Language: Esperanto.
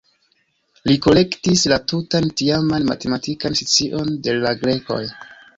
Li kolektis la tutan tiaman matematikan scion de la grekoj.